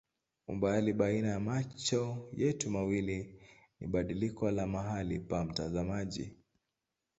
Umbali baina ya macho yetu mawili ni badiliko la mahali pa mtazamaji.